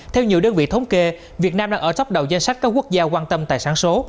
theo nhiều đơn vị thống kê việt nam đang ở tóp đầu danh sách các quốc gia quan tâm tài sản số